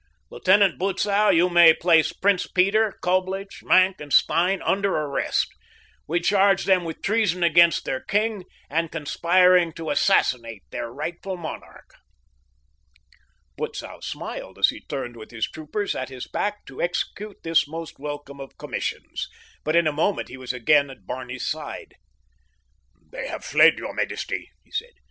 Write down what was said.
Lieutenant Butzow, you may place Prince Peter, Coblich, Maenck, and Stein under arrest. We charge them with treason against their king, and conspiring to assassinate their rightful monarch." Butzow smiled as he turned with his troopers at his back to execute this most welcome of commissions; but in a moment he was again at Barney's side. "They have fled, your majesty," he said.